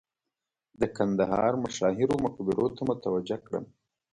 د کندهار مشاهیرو مقبرو ته متوجه کړم.